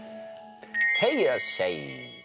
へいいらっしゃい！